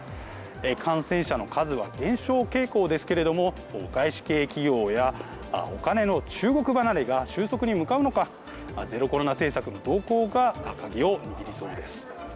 感染者の数は減少傾向ですけれども外資系企業やお金の中国離れが収束に向かうのかゼロコロナ政策の動向が鍵を握りそうです。